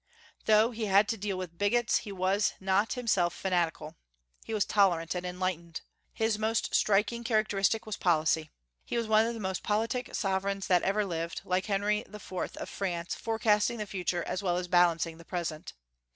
Though he had to deal with bigots, he was not himself fanatical. He was tolerant and enlightened. His most striking characteristic was policy. He was one of the most politic sovereigns that ever lived, like Henry IV. of France, forecasting the future, as well as balancing the present.